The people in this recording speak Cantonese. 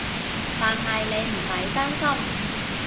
但係你唔使擔心